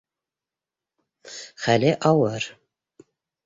Хәле ауыр.